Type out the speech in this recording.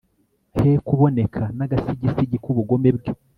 he kuboneka n'agasigisigi k'ubugome bwe